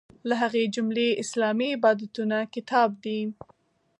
له هغې جملې اسلامي عبادتونه کتاب دی.